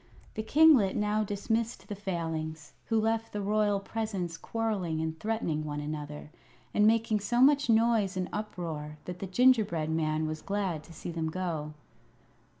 The kinglet now dismissed the Failings, who left the royal presence quarrelling and threatening one another, and making so much noise and uproar that the gingerbread man was glad to see them go.